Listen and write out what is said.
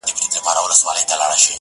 هم لری، هم ناولی، هم ناوخته راستولی.